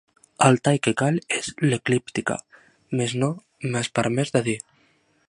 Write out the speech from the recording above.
El tall que cal és l'eclíptica, més no m'és permès de dir.